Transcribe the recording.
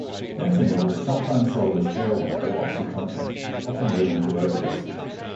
Fentanyl is sometimes sold as heroin or oxycontin, often leading to overdoses.